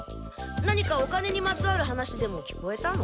何かお金にまつわる話でも聞こえたの？